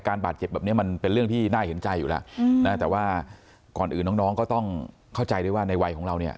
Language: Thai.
บาดเจ็บแบบนี้มันเป็นเรื่องที่น่าเห็นใจอยู่แล้วนะแต่ว่าก่อนอื่นน้องก็ต้องเข้าใจด้วยว่าในวัยของเราเนี่ย